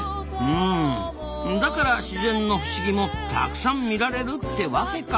うんだから自然の不思議もたくさん見られるってわけか。